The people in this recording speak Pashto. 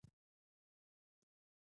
او هغه دا بره ليکلے شوي ستړې نۀ کوي